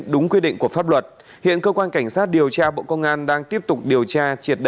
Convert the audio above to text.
đúng quyết định của pháp luật hiện cơ quan cảnh sát điều tra bộ công an đang tiếp tục điều tra